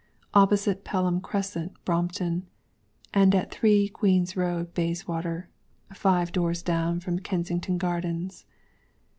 (Opposite Pelham Crescent, Brompton,) AND AT 3, QUEENŌĆÖS ROAD, BAYSWATER, (Five doors down from Kensington Gardens).